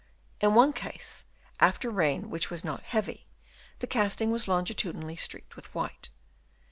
In one case, after rain which was not heavy, the casting was longitudinally streaked with white.